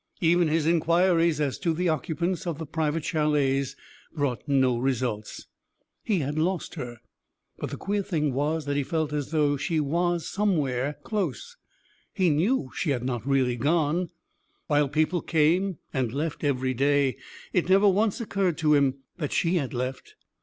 Even his inquiries as to the occupants of the private chalets brought no results. He had lost her. But the queer thing was that he felt as though she were somewhere close; he knew she had not really gone. While people came and left with every day, it never once occurred to him that she had left.